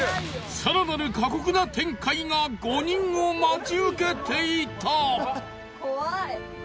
更なる過酷な展開が５人を待ち受けていた！